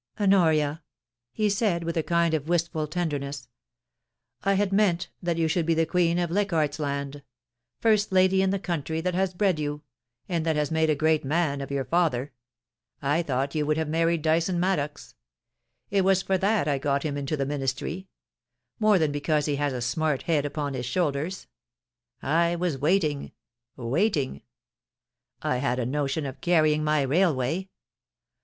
* Honoria,' he said, with a kind of wistful tenderness, ' I had meant that you should be the queen of Leichardt's Land — first lady in the country that has bred you, and that has made a great man of your father. I thought that you would have married Dyson Maddox. It was for that I got him into the Ministry — more than because he has a smart head upon his shoulders. I was waiting — waiting. I had a notion of carrying my railway.